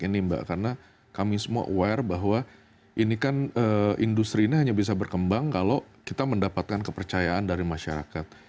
ini mbak karena kami semua aware bahwa ini kan industri ini hanya bisa berkembang kalau kita mendapatkan kepercayaan dari masyarakat